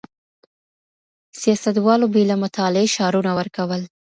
سياستوالو بې له مطالعې شعارونه ورکول.